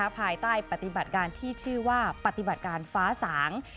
ภายใต้ปฏิบัติการที่ชื่อว่าปฏิบัติการฟ้าสาง